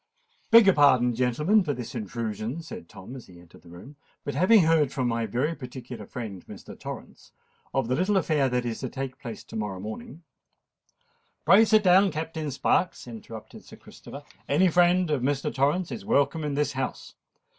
"Beg your pardon, gentlemen, for this intrusion," said Tom, as he entered the room; "but having heard from my very particular friend Mr. Torrens of the little affair that is to take place to morrow morning——" "Pray sit down, Captain Sparks," interrupted Sir Christopher. "Any friend of Mr. Torrens is welcome in this house.